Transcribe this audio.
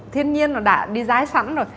thiên nhiên nó đã design sẵn rồi